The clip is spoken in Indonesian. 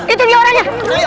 itu dia orangnya